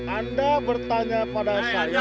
anda bertanya pada saya